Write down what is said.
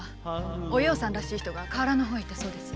お葉さんらしい人が河原の方へ行ったそうです。